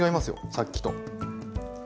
さっきと。